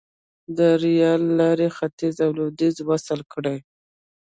د ریل لارې ختیځ او لویدیځ وصل کړل.